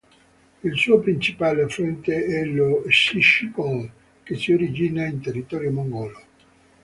Il suo principale affluente è lo "Šišchid-Gol", che si origina in territorio mongolo.